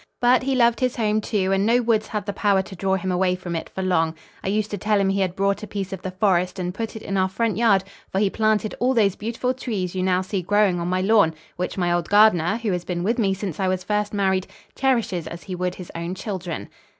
But he loved his home, too, and no woods had the power to draw him away from it for long. I used to tell him he had brought a piece of the forest and put it in our front yard, for he planted all those beautiful trees you now see growing on my lawn, which my old gardener, who has been with me since I was first married, cherishes as he would his own children."